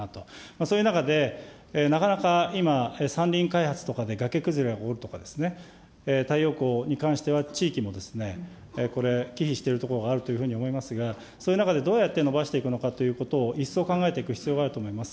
そういう中で、なかなか今、山林開発とかで崖崩れが起こるとか、太陽光に関しては地域もこれ、忌避しているところがあると思いますが、そういう中でどうやって伸ばしていくのかということを一層考えていく必要があると思います。